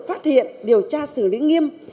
phát hiện điều tra xử lý nghiêm